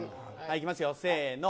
いきますよ、せーの。